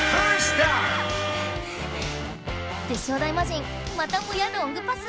テッショウ大魔神またもやロングパス！